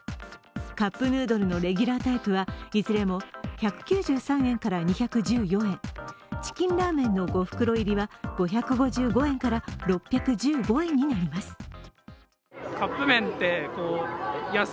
カップヌードルのレギュラータイプはいずれも１９３円から２１４円、チキンラーメンの５袋入りは５５５円から６１５円になります。